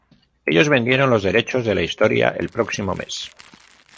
Ellos vendieron los derechos de la historia el próximo mes.